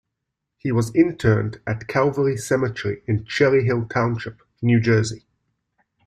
He was interred at Calvary Cemetery in Cherry Hill Township, New Jersey.